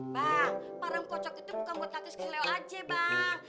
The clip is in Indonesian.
pak bareng kocok itu bukan buat nanti sekelew aja pak